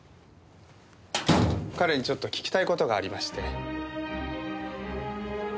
彼にちょっと聞きたい事がありまして。